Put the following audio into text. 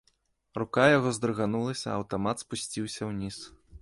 Рука яго здрыганулася, аўтамат спусціўся ўніз.